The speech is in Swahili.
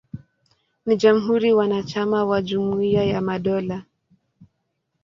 Ni jamhuri mwanachama wa Jumuiya ya Madola.